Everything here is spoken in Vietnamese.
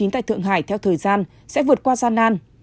tại thượng hải theo thời gian sẽ vượt qua gian nan